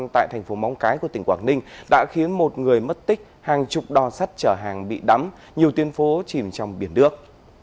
tại thành phố móng cái của tỉnh quảng ninh đã khiến một người mất tích hàng chục đò sắt chở hàng bị đắm nhiều tuyến phố chìm trong biển nước